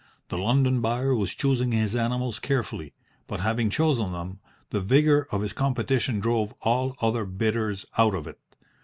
The London buyer was choosing his animals carefully, but having chosen them, the vigour of his competition drove all other bidders out of it.